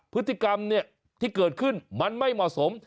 พฤติกรรมที่เกิดขึ้นมันไม่เหมาะสม